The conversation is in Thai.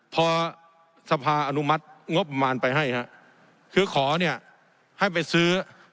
พอสภาอนุมัติงบประมาณไปให้ฮะคือขอเนี่ยให้ไปซื้อ